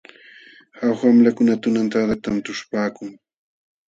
Jauja wamlakuna tunantadatam tuśhupaakun.